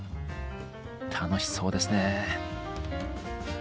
楽しそうですね。